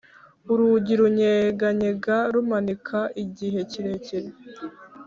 urugi runyeganyega rumanika igihe kirekire.